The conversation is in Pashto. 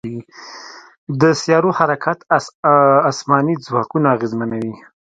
د سیارو حرکت اسماني ځواکونه اغېزمنوي.